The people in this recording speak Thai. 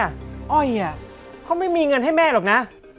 อ้อยเขาไม่มีเงินให้แม่หรอกนะ